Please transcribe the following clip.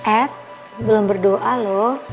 ed belum berdoa loh